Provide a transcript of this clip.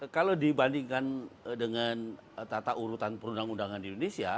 kalau dibandingkan dengan tata urutan perundang undangan di indonesia